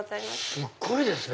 すっごいですね！